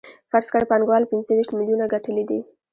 فرض کړئ پانګوال پنځه ویشت میلیونه ګټلي دي